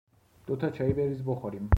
دو تا چایی بریز بخوریم